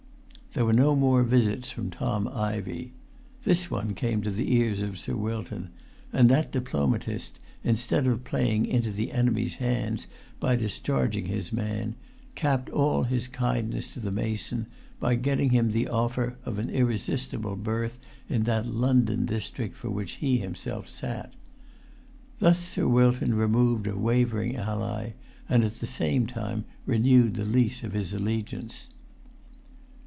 There were no more visits from Tom Ivey. This one came to the ears of Sir Wilton; and that diplomatist instead of playing into the enemy's hands by discharging his man, capped all his kindness to the mason by getting him the offer of an irresistible berth in that London district for which he himself sat. Thus Sir Wilton removed a wavering ally, and at the same time renewed the lease of his allegiance.